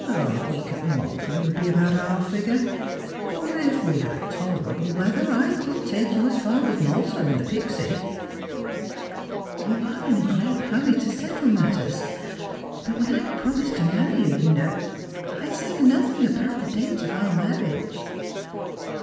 A week at Malvern would be about our figure : or if we had tolerable weather, I could take you as far as Malta in the Pixy." _" You are in a great hurry to settle matters; but when I pro mised to marry you, just now, I said nr^thing about the date of our marriage."